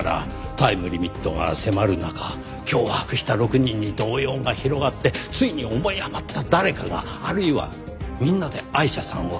タイムリミットが迫る中脅迫した６人に動揺が広がってついに思い余った誰かがあるいはみんなでアイシャさんを。